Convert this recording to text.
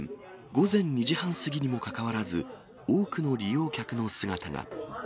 午前２時半過ぎにもかかわらず、多くの利用客の姿が。